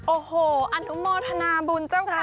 โอ้โหอนุโมทนาบุญเจ้าพระ